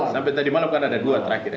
sampai tadi malam kan ada dua terakhir ya